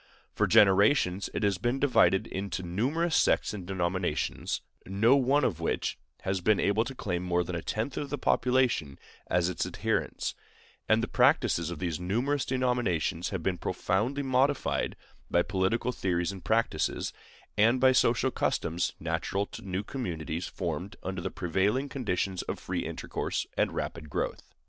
For generations it has been divided into numerous sects and denominations, no one of which has been able to claim more than a tenth of the population as its adherents; and the practices of these numerous denominations have been profoundly modified by political theories and practices, and by social customs natural to new communities formed under the prevailing conditions of free intercourse and rapid growth.